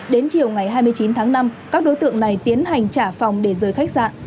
đến chiều ngày hai mươi chín tháng năm các đối tượng này tiến hành trả phòng để rời khách sạn